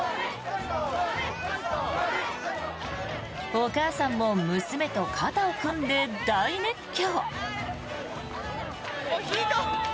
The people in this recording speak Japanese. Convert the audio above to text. お母さんも娘と肩を組んで大熱狂。